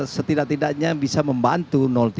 setidak tidaknya bisa membantu tiga